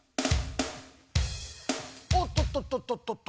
おっととととととと。